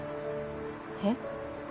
えっ！？